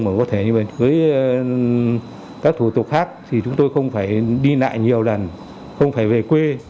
mà có thể như với các thủ tục khác thì chúng tôi không phải đi lại nhiều lần không phải về quê